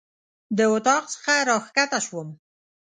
د اطاق څخه راکښته شوم.